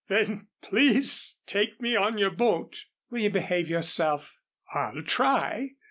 "Then please take me on your boat." "Will you behave yourself?" "I'll try."